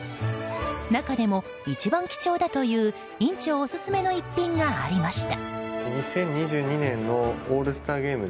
中でも一番貴重だという院長オススメの一品がありました。